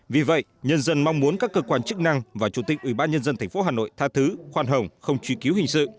vì vậy nhân dân mong muốn các cơ quan chức năng và chủ tịch ủy ban nhân dân tp hà nội tha thứ khoan hồng không truy cứu hình sự